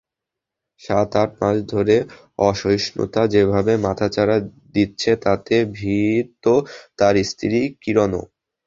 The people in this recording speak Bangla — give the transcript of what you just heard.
সাত-আট মাস ধরে অসহিষ্ণুতা যেভাবে মাথাচাড়া দিচ্ছে তাতে ভীত তাঁর স্ত্রী কিরণও।